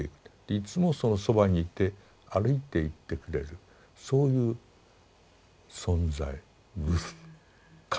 いつもそのそばにいて歩いていってくれるそういう存在グス神。